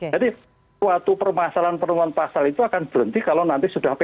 jadi suatu permasalahan penemuan pasal itu akan berhenti kalau nanti sudah p dua puluh satu